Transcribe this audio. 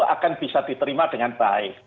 akan bisa diterima dengan baik